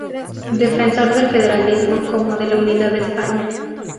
Defensor del federalismo como de la unidad de España.